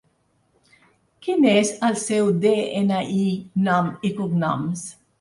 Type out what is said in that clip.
Quin és el seu de-ena-i, nom i cognoms?